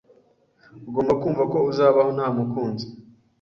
ugomba kumva ko uzabaho ntamukunzi